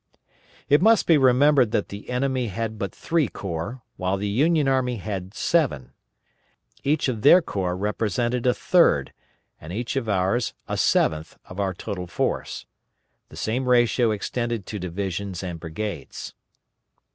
It must be remembered that the enemy had but three corps, while the Union army had seven. Each of their corps represented a third, and each of ours a seventh, of our total force. The same ratio extended to divisions and brigades.